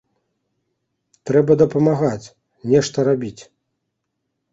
Трэба дапамагаць, нешта рабіць.